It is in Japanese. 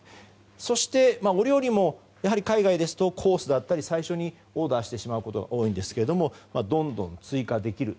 そして、お料理も海外ですとコースだったり最初にオーダーしてしまうことが多いんですがどんどん追加できる。